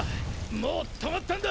もう止まったんだ！